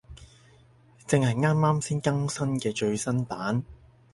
正係啱啱先更新嘅最新版